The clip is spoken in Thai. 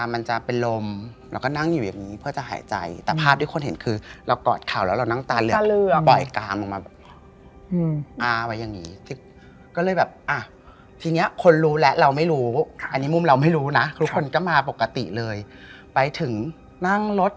สักพักก็เริ่มแบบอาบน้ำไปก็เริ่มแบบดูแบบมึงรู้สึกแปลก